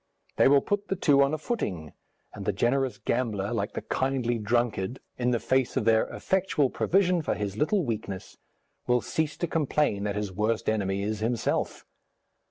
They will put the two on a footing, and the generous gambler, like the kindly drunkard, in the face of their effectual provision for his little weakness, will cease to complain that his worst enemy is himself.